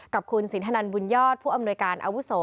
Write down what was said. กับคุณสินทนันบุญยอดผู้อำนวยการอาวุโส